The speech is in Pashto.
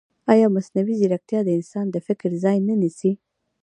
ایا مصنوعي ځیرکتیا د انسان د فکر ځای نه نیسي؟